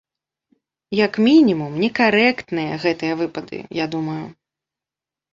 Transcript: Як мінімум, некарэктныя гэтыя выпады, я думаю.